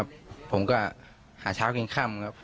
กับน้องก็จะหาเช้ากินข้ำครับ